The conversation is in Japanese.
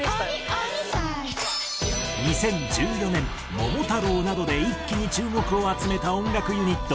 ２０１４年『桃太郎』などで一気に注目を集めた音楽ユニット